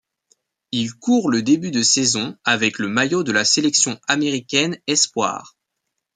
Il court le début de saison avec le maillot de la sélection américaine espoirs.